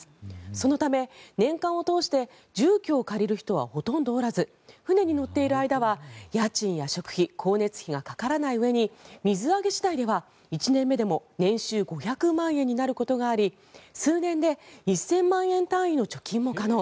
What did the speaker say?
そのため、年間を通して住居を借りる人はほとんどおらず船に乗っている間は家賃や食費、光熱費がかからないうえに水揚げ次第では１年目でも年収５００万円になることがあり数年で１０００万円単位の貯金も可能。